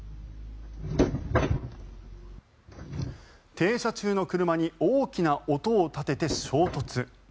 停車中の車に大きな音を立てて衝突。